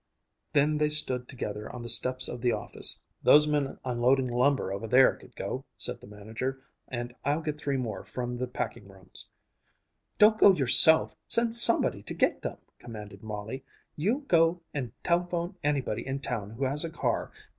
Then they stood together on the steps of the office. "Those men unloading lumber over there could go," said the manager, "and I'll get three more from the packing rooms." "Don't go yourself! Send somebody to get them!" commanded Molly. "You go and telephone anybody in town who has a car.